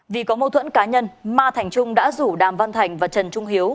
vì có mâu thuẫn cá nhân ma thành trung đã rủ đàm văn thành và trần trung hiếu